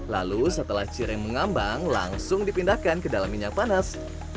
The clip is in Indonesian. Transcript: lalu setelah cireng mengambang langsung dipindahkan ke dalam minyak panas